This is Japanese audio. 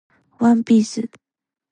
ワンピース